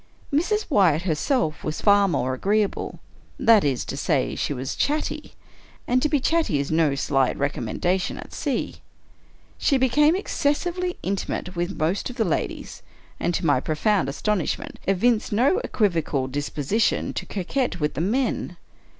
Mrs. Wyatt herself was far more agreeable. That is to say, she was chatty; and to be chatty is no slight recom mendation at sea. She became excessively intimate with most of the ladies; and, to my profound astonishment, evinced no equivocal disposition to coquet with the men.